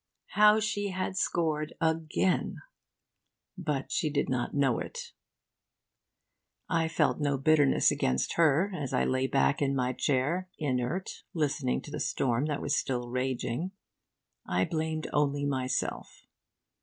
How she had scored again! But she did not know it. I felt no bitterness against her as I lay back in my chair, inert, listening to the storm that was still raging. I blamed only myself.